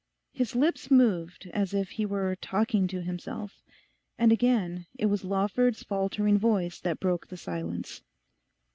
His lips moved as if he were talking to himself. And again it was Lawford's faltering voice that broke the silence.